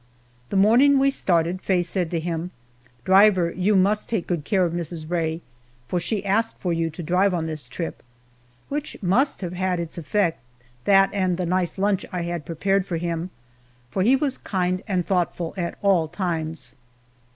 The morning we started Faye said to him, "Driver, you must take good care of Mrs. Rae, for she asked for you to drive on this trip," which must have had its effect that, and the nice lunch I had prepared for him for he was kind and thoughtful at all times.